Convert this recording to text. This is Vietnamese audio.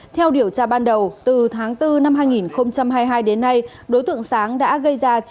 theo điều tra ban đầu từ tháng bốn năm hai nghìn hai mươi hai đến nay đối tượng sáng đã gây ra